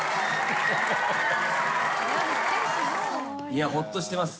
いや、ほっとしてます。